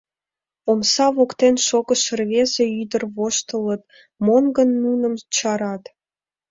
Омса воктен шогышо рвезе-ӱдыр-влак воштылыт монь гын, нуным чарат.